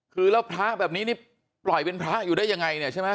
คือแล้วพระแบบนี้นี่ปล่อยเป็นพระอยู่ได้ยังไงเนี่ยใช่ไหม